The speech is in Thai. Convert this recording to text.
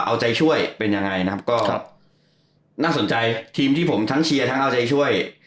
เอาใจช่วยเป็นยังไงนะครับก็น่าสนใจทีมที่ผมทั้งเชียร์ทั้งเอาใจช่วย